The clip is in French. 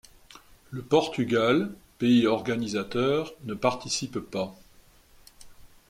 Le Portugal, pays organisateur, ne participe pas.